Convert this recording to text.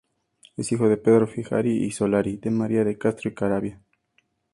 Es hijo de Pedro Figari Solari y de María de Castro Caravia.